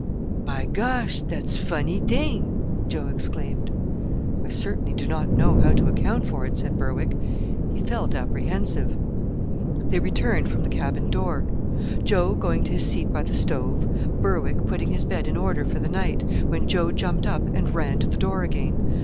"By gosh! dat's funnee t'ing," Joe exclaimed. "I certainly do not know how to account for it," said Berwick. He felt apprehensive. They returned from the cabin door: Joe going to his seat by the stove, Berwick putting his bed in order for the night, when Joe jumped up and ran to the door again.